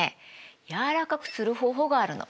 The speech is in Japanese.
柔らかくする方法があるの。